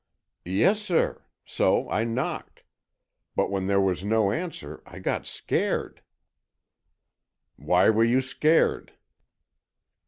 "Yes, sir. So I knocked, but when there was no answer, I got scared——" "Why were you scared?"